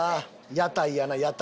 屋台やな屋台。